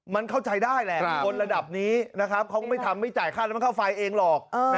มันเข้าใจได้แหละคนระดับนี้นะครับเขาก็ไม่ทำไม่จ่ายค่าน้ำมันค่าไฟเองหรอก